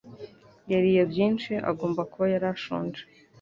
yariye byinshi. Agomba kuba yari ashonje.